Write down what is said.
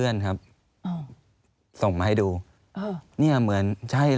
อันดับ๖๓๕จัดใช้วิจิตร